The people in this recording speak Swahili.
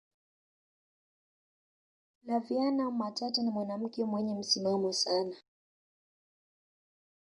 flaviana matata ni mwanamke mwenye msimamo sana